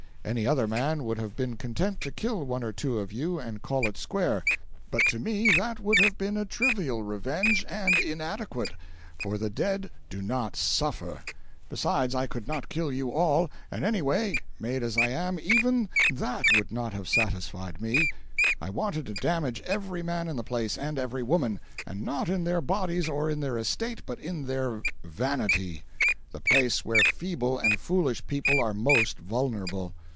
Any other man would have been content to kill one or two of you and call it square, but to me that would have been a trivial revenge, and inadequate; for the dead do not SUFFER. Besides I could not kill you all and, anyway, made as I am, even that would not have satisfied me. I wanted to damage every man in the place, and every woman and not in their bodies or in their estate, but in their vanity the place where feeble and foolish people are most vulnerable.